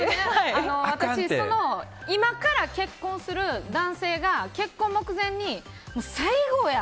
私、今から結婚する男性が結婚目前に最後や！